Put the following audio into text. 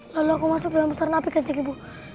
lalu aku masuk dalam besar napi kan cik ibu